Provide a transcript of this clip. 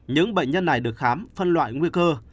những bệnh nhân này được khám phân loại nguy cơ